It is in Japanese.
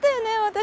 私。